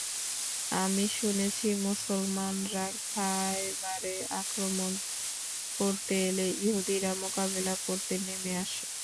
আমি শুনেছি, মুসলমানরা খায়বারে আক্রমণ করতে এলে ইহুদীরা মোকাবিলা করতে নেমে আসে।